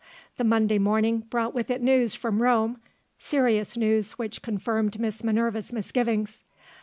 The Monday morning brought with it news from Rome serious news which confirmed Miss Minerva's misgivings.